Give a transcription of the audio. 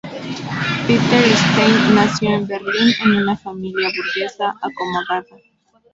Peter Stein nació en Berlín en una familia burguesa acomodada.